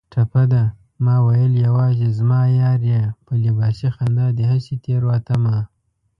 ټپه ده: ماوېل یوازې زما یار یې په لباسي خندا دې هسې تېروتمه